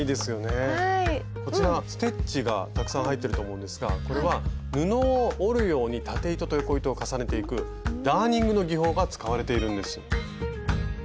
こちらステッチがたくさん入ってると思うんですがこれは布を織るように縦糸と横糸を重ねていくダーニングの技法が使われているんです。